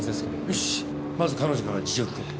よしまず彼女から事情聞こう。